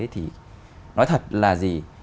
thì nói thật là gì